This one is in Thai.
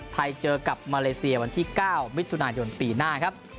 ไทยเจอกับมาเลเซียวันที่๙มิถุนายนปีหน้าครับ